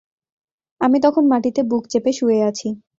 আমি তখন মাটিতে বুক চেপে শুয়ে আছি।